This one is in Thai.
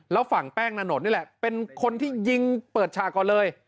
แล้วฝั่งแป้งนานนทนี่แหละเป็นคนที่ยิงเปิดฉากก่อนเลย